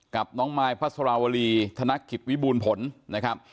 กับน้องมายพระสลาวรีธนักกิจวิบูลผลนะครับ